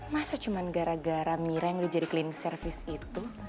masa cuma gara gara mira yang udah jadi clean service itu